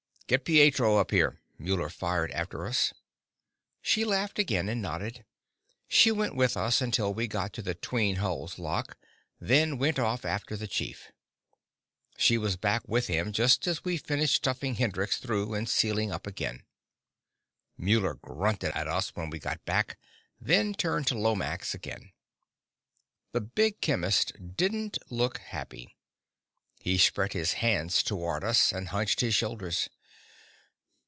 "Get Pietro up here!" Muller fired after us. She laughed again, and nodded. She went with us until we got to the 'tween hulls lock, then went off after the chief. She was back with him just as we finished stuffing Hendrix through and sealing up again. Muller grunted at us when we got back, then turned to Lomax again. The big chemist didn't look happy. He spread his hands toward us, and hunched his shoulders.